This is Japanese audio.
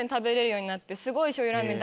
すごいしょうゆラーメン